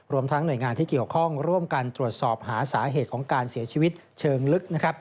ทั้งหน่วยงานที่เกี่ยวข้องร่วมกันตรวจสอบหาสาเหตุของการเสียชีวิตเชิงลึกนะครับ